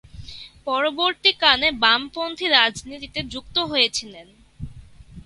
পরবর্তী কালে বামপন্থী রাজনীতিতে যুক্ত হয়েছিলেন।